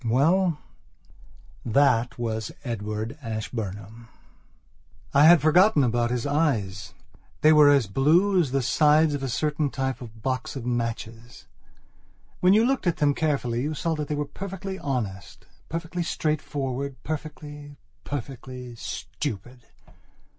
Well, that was Edward Ashburnham. I had forgotten about his eyes. They were as blue as the sides of a certain type of box of matches. When you looked at them carefully you saw that they were perfectly honest, perfectly straightforward, perfectly, perfectly stupid.